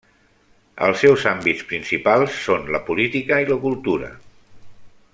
Els seus àmbits principals són la política i la cultura.